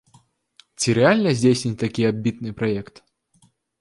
Ці рэальна здзейсніць такі амбітны праект?